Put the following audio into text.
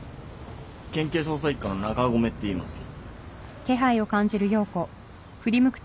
県警捜査一課の中込っていいます。